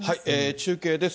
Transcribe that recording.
中継です。